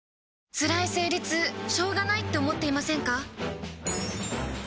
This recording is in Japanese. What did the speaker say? つらい生理痛しょうがないって思っていませんか？